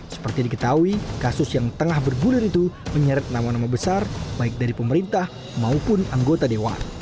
seperti diketahui kasus yang tengah bergulir itu menyeret nama nama besar baik dari pemerintah maupun anggota dewan